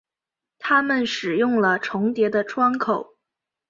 他们使用了重叠的窗口。